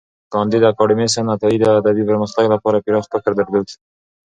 کانديد اکاډميسن عطايي د ادبي پرمختګ لپاره پراخ فکر درلود.